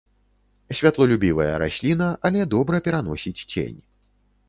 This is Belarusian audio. Святлолюбівая расліна, але добра пераносіць цень.